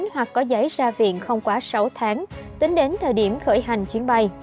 hoặc có giấy ra viện không quá sáu tháng tính đến thời điểm khởi hành chuyến bay